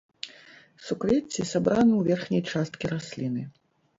Суквецці сабраны ў верхняй часткі расліны.